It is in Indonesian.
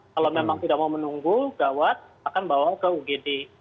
kalau memang tidak mau menunggu gawat akan bawa ke ugd